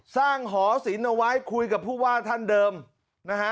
สร้างหอสินเอาไว้คุยกับผู้ว่าท่านเดิมนะฮะ